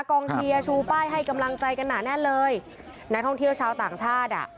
กองเชียร์ชูป้ายให้กำลังใจกันหนาแน่นเลยนักท่องเที่ยวชาวต่างชาติอ่ะ